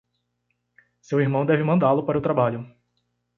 Seu irmão deve mandá-la para o trabalho.